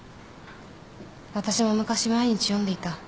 私も昔毎日読んでいた。